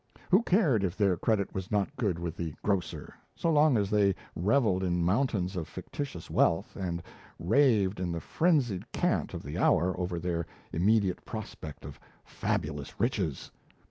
Who cared if their credit was not good with the grocer, so long as they revelled in mountains of fictitious wealth and raved in the frenzied cant of the hour over their immediate prospect of fabulous riches!